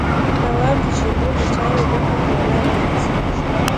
تواب د شيدو له چايو ډکه پياله واخيسته.